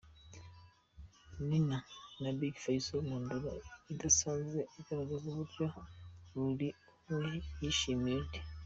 Nina na Big Fizzo mu ndoro idasanzwe igaragaza uburyo buri umwe yishimiye undi.